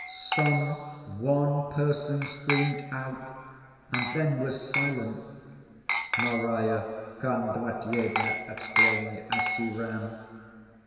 "Some one person screamed out and then was silent," Marya Kondratyevna explained as she ran.